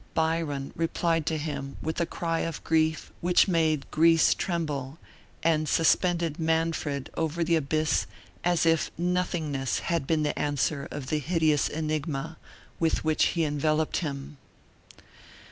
Byron replied to him by a cry of grief which made Greece tremble, and suspended "Manfred" over the abyss as if nothingness had been the answer of the hideous enigma, with which he enveloped him.